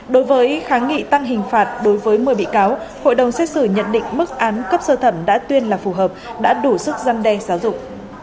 đối với kháng nghị tăng hình phạt đối với một mươi bị cáo hội đồng xét xử nhận định mức án cấp sơ thẩm đã tuyên là phù hợp đã đủ sức gian đe giáo dục